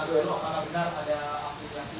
karena benar ada aplikasi